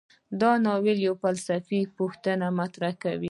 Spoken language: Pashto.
دا ناول یوه فلسفي پوښتنه مطرح کوي.